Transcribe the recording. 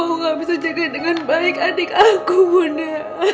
aku gak bisa jaga dengan baik adik aku bunda